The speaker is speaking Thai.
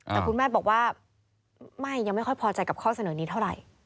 แต่คุณแม่บอกว่าไม่ยังไม่ค่อยพอใจกับข้อเสนอนี้เท่าไหร่